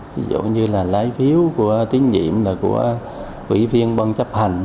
ví dụ như là lấy phiếu của tín nhiệm là của ủy viên bán chấp hành